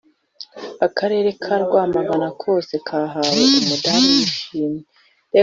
akarere ka rwamagana kose kahawe umudari wishimwe